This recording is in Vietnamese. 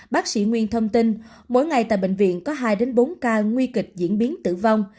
bác sĩ nguyên thông tin mỗi ngày tại bệnh viện có hai bốn ca nguy kịch diễn biến tử vong